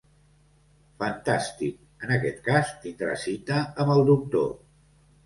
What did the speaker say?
Fantàstic, en aquest cas tindrà cita amb el doctor.